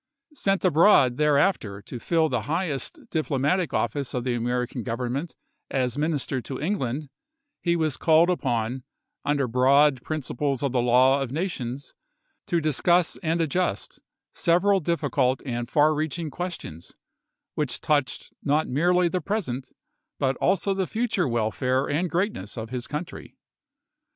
Sent abroad thereafter to fill the highest diplomatic office of the American Government as minister to England, he was called upon, under broad principles of the law of nations, to discuss and adjust several difficult and far reaching questions, which touched not merely the present, but also the future welfare and greatness of his country.